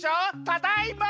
ただいま！